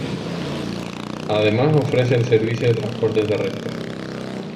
Además ofrece el servicio de transporte terrestre.